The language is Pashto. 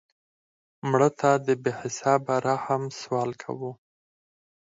مړه ته د بې حسابه رحم سوال کوو